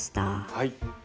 はい。